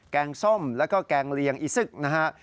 งส้มแล้วก็แกงเลียงอีซึกนะฮะ